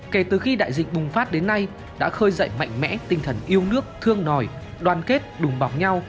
kể từ khi đại dịch bùng phát đến nay đã khơi dậy mạnh mẽ tinh thần yêu nước thương nòi đoàn kết đùm bọc nhau